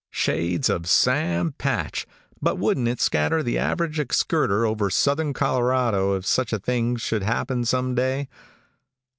Shades of Sam Patch, but wouldn't it scatter the average excurter over southern Colorado if such a thing should happen some day!